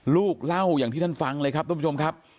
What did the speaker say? ลูกเล่าอย่างที่ท่านฟังเลยครับทุกผู้ชมครับ